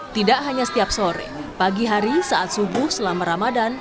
tidak hanya setiap sore pagi hari saat subuh selama ramadan